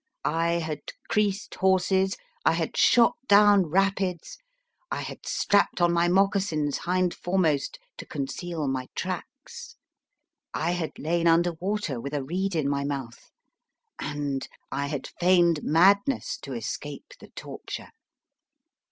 I had creased horses, 1 had shot down rapids, I had strapped on my mocassins hind foremost to conceal my tracks, I had lain under water with a reed in my mouth, and I had feigned madness to escape the torture.